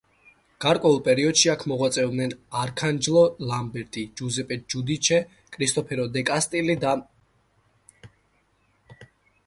გარკვეულ პერიოდში აქ მოღვაწეობდნენ არქანჯელო ლამბერტი, ჯუზეპე ჯუდიჩე, კრისტოფორო დე კასტელი და სხვა.